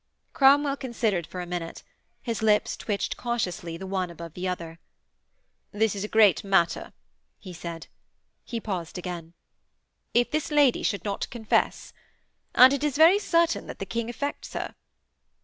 Cromwell considered for a minute; his lips twitched cautiously the one above the other. 'This is a great matter,' he said. He paused again. 'If this lady should not confess! And it is very certain that the King affects her.'